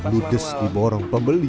ludes di borong pembeli